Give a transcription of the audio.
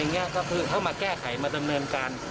อะไรอย่างนี้ก็คือเข้ามาแก้ไขมาตำเรินการ